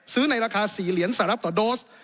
ในราคา๔เหรียญสหรัฐต่อโดส